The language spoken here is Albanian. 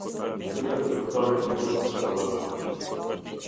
Detyrat e zyrtarit të mbrojtjes së të dhënave.